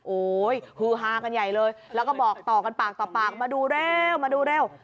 โอ้โหฮือฮากันใหญ่เลยแล้วก็บอกต่อกันปากต่อปากมาดูเร็วมาดูเร็ว